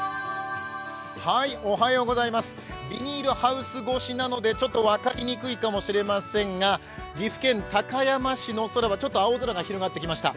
ビニールハウス越しなので、ちょっと分かりにくいかもしれませんが、岐阜県高山市の空はちょっと青空が広がってきました。